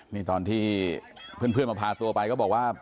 นี่ตอนที่เพื่อนมาพาตัวไปก็บอกว่า